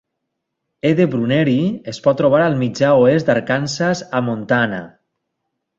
"E. d. bruneri" es pot trobar al mitjà oest d'Arkansas a Montana.